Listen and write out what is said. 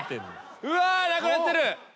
うわなくなってる！